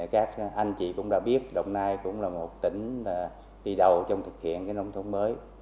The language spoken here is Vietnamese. các anh chị cũng đã biết đồng nai cũng là một tỉnh đi đầu trong thực hiện nông thôn mới